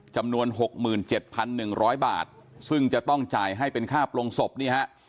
จำนวน๖๗๑๐๐บาทซึ่งจะต้องจ่ายให้เป็นค่าโปรงศพนี่ฮะ